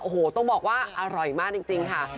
โอ้โหต้องบอกว่าอร่อยมากจริงค่ะ